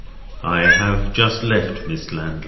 —I have just left Miss Landless."